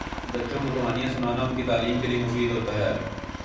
بچوں کو کہانیاں سنانا ان کی تعلیم کے لئے مفید ہوتا ہے۔